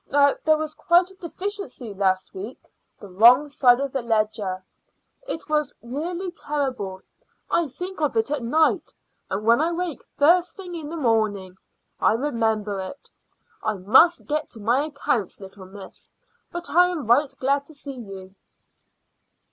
Now there was quite a deficiency last week the wrong side of the ledger. It was really terrible. I think of it at night, and when I wake first thing in the morning I remember it. I must get to my accounts, little miss, but I am right glad to see you."